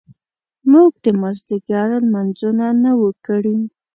موږ د مازیګر لمونځونه نه وو کړي.